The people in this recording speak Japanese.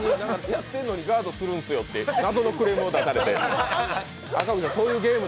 やってんのにガードするんすよって謎のクレーム。